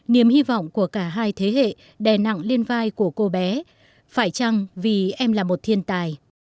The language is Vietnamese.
niềm hy vọng của cả hai thế hệ đè nặng lên vai của cô bé phải chăng vì em là một thiên tài